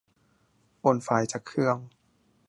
โอนไฟล์จากเครื่อง